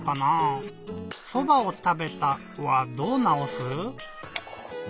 「そばをたべた」はどうなおす？